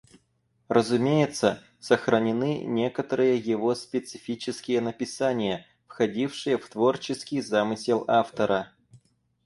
Разумеется, сохранены некоторые его специфические написания, входившие в творческий замысел автора.